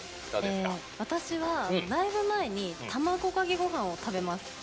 私はライブ前に卵かけごはんを食べます。